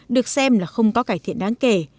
được xem là không có cải thiện đáng kể